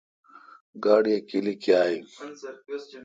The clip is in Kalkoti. گاڑی اے کیلی کاں این۔